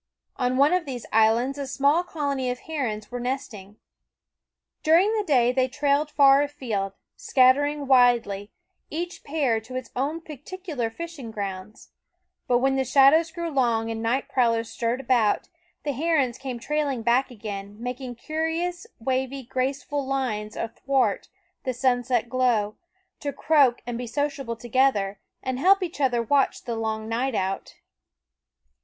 On one of these islands a small colony of herons were nesting. During the day they trailed far afield, scattering widely, each pair to its own particular fishing grounds; but when the shadows grew long, and night prowlers stirred abroad, the herons came trailing back again, making curious, wavy, graceful lines athwart the sunset glow, to croak and be sociable together, and help each other watch the long night out.